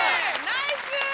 ナイス！